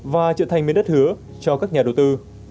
và trở thành miền đất hứa cho các nhà đầu tư